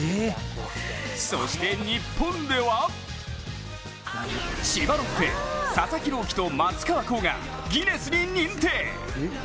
そして、日本では千葉ロッテ、佐々木朗希と松川虎生がギネスに認定。